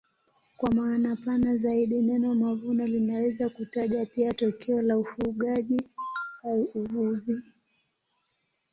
Kwa maana pana zaidi neno mavuno linaweza kutaja pia tokeo la ufugaji au uvuvi.